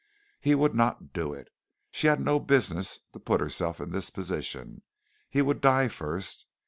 He would not do it. She had no business to put herself in this position. He would die first.